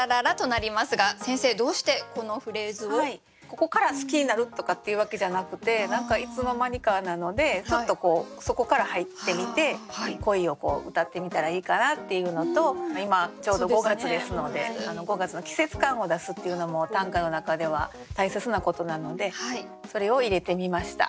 ここから好きになるとかっていうわけじゃなくて何かいつの間にかなのでちょっとそこから入ってみて恋をうたってみたらいいかなっていうのと今ちょうど５月ですので５月の季節感を出すっていうのも短歌の中では大切なことなのでそれを入れてみました。